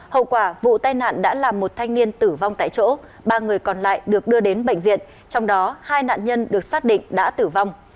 hậu quả vụ tai nạn đã làm một thanh niên tử vong tại chỗ ba người còn lại được đưa đến bệnh viện trong đó hai nạn nhân được xác định đã tử vong